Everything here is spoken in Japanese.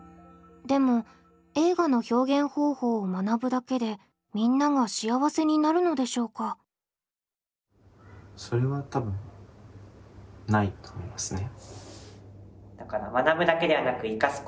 でも映画の表現方法を「学ぶ」だけでみんなが幸せになるのでしょうか？と思いますね。